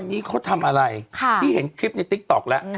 วันนี้เขาทำอะไรค่ะที่เห็นคลิปในติคตอคแล้วครับ